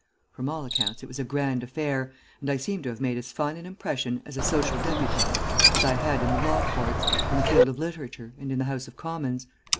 From all accounts, it was a grand affair, and I seemed to have made as fine an impression as a social debutant as I had in the law courts, in the field of literature, and in the House of Commons.